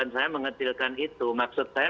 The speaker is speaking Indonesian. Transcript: saya mengetilkan itu maksud saya